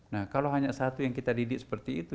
nah kalau hanya satu yang kita didik seperti itu